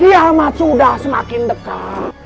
kiamat sudah semakin dekat